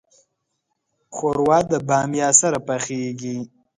ښوروا د بامیا سره پخیږي.